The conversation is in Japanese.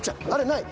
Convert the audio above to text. ない！